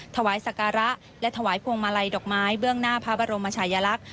ถวายสการะและถวายพวงมาลัยดอกไม้เบื้องหน้าพระบรมชายลักษณ์